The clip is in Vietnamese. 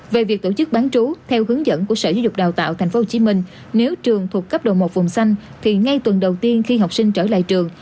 về việc tổ chức bán trú theo hướng dẫn của sở giáo dục đào tạo thành phố hồ chí minh nếu trường thuộc cấp độ một vùng xanh thì ngay tuần đầu tiên khi học sinh trở lại trường